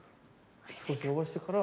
少し伸ばしてから。